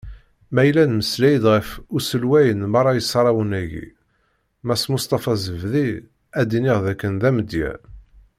Ma yella nemmeslay-d ɣef uselway n merra isarrawen-agi, Mass Musṭafa Zebdi, ad d-iniɣ d akken d amedya.